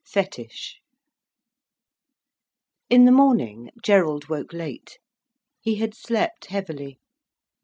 FETISH In the morning Gerald woke late. He had slept heavily.